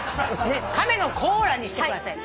「カメのコーラ」にしてください。